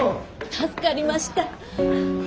助かりました。